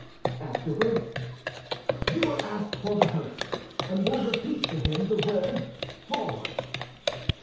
"Afterward?" "You will ask for the host, and will repeat to him the word 'Forward!